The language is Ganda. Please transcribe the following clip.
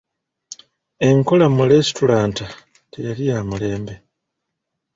Enkola mu lesitulanta teyali yamulembe.